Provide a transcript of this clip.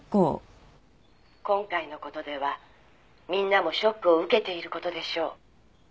「今回の事ではみんなもショックを受けている事でしょう」